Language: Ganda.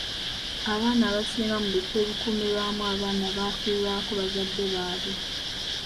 Abaana abasinga mu bifo ebikuumirwamu abaana baafiirwako bazadde bwabwe.